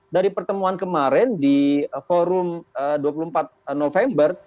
dari pertemuan kemarin di forum dua puluh empat november